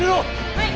・はい！